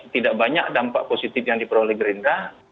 tidak banyak dampak positif yang diperoleh gerindra